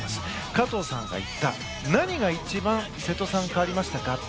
加藤さんが言った、何が一番瀬戸さん、変わりましたか。